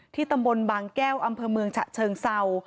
ที่ตำบลบางแก้วอำเมืองฉัดเชิงเซาค์